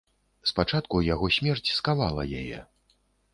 Спачатку яго смерць скавала яе.